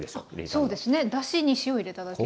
そうですねだしに塩を入れただけです。